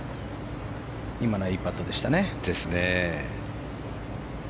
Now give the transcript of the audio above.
今のはいいパットでしたね。